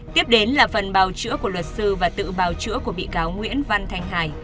tiếp đến là phần bào chữa của luật sư và tự bào chữa của bị cáo nguyễn văn thanh hải